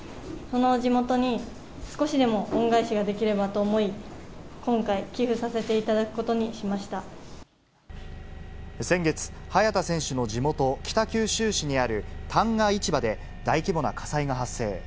その地元に、少しでも恩返しができればと思い、今回、寄付させていただくことに先月、早田選手の地元、北九州市にある旦過市場で、大規模な火災が発生。